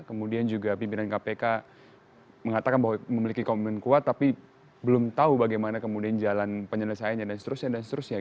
kemudian juga pimpinan kpk mengatakan bahwa memiliki komitmen kuat tapi belum tahu bagaimana kemudian jalan penyelesaiannya dan seterusnya